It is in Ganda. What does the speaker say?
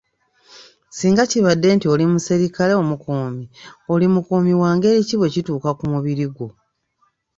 Singa kibadde nti oli muserikale omukuumi, oli mukuumi wa ngeri ki bwe kituuka ku mubiri gwo?